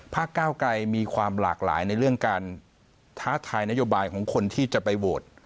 ก้าวไกรมีความหลากหลายในเรื่องการท้าทายนโยบายของคนที่จะไปโหวต